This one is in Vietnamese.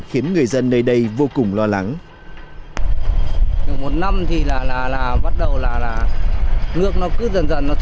khiến người dân nơi đây vô cùng lo lắng